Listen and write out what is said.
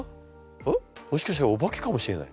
えっもしかしたらおばけかもしれない。